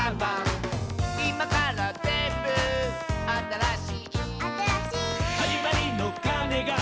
「いまからぜんぶあたらしい」「あたらしい」「はじまりのかねが」